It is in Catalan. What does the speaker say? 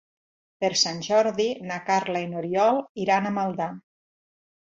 Per Sant Jordi na Carla i n'Oriol iran a Maldà.